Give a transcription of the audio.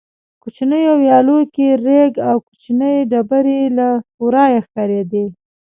په کوچنیو ویالو کې رېګ او کوچنۍ ډبرې له ورایه ښکارېدې.